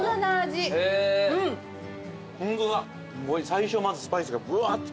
最初まずスパイスがぶわって。